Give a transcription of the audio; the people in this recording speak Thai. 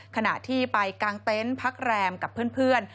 ขณะที่ไปกางเต็นต์พักแรมกับเพื่อน